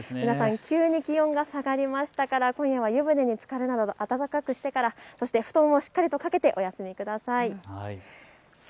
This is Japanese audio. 急に気温が下がりましたから今夜、湯船につかるなどあたたかくしてから布団をしっかりかけてからお休みください。